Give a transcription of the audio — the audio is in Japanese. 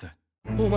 お前